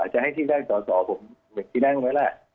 จะให้ที่นั่งต่อผมเหมือนที่นั่งไว้แล้ว